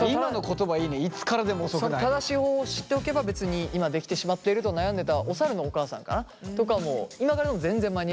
正しい方法を知っておけば別に今できてしまっていると悩んでたおさるのお母さんかな？とかも今からでも全然間に合う？